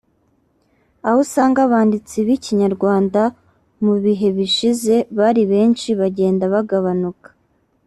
aho usanga abanditsi b’ikinyarwanda mu bihe bishize bari benshi bagenda bagabanuka